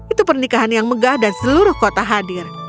itu pernikahan yang megah dan seluruh kota hadir